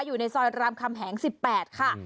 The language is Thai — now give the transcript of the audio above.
อยู่ในซอยรามคำแหง๑๘ค่ะ